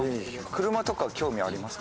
車とか興味ありますか？